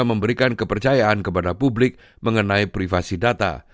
dan mereka memberikan kepercayaan kepada publik mengenai privasi data